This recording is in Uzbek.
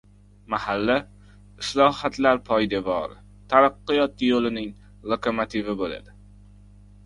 Mahalla – islohotlar poydevori, taraqqiyot yo‘lining lokomotivi bo‘ladi